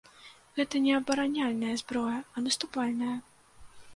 Гэта не абараняльная зброя, а наступальная.